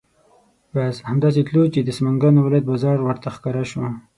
بس همدا سې تلو چې د سمنګانو ولایت بازار ورته ښکاره شو.